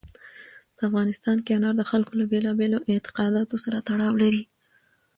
په افغانستان کې انار د خلکو له بېلابېلو اعتقاداتو سره تړاو لري.